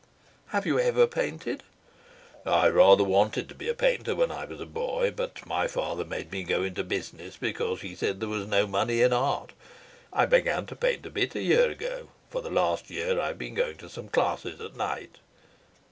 "Have you ever painted?" "I rather wanted to be a painter when I was a boy, but my father made me go into business because he said there was no money in art. I began to paint a bit a year ago. For the last year I've been going to some classes at night."